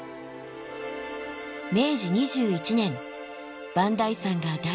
明治２１年磐梯山が大噴火。